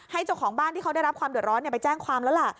เจ้าของบ้านที่เขาได้รับความเดือดร้อนไปแจ้งความแล้วล่ะ